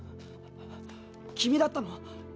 君だったの！？